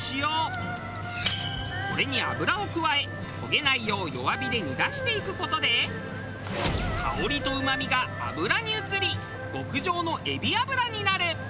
これに油を加え焦げないよう弱火で煮出していく事で香りとうまみが油に移り極上の海老油になる！